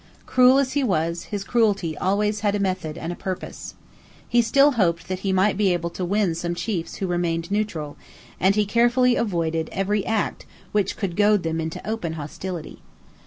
Cruel as he was, his cruelty always had a method and a purpose. He still hoped that he might be able to win some chiefs who remained neutral; and he carefully avoided every act which could goad them into open hostility.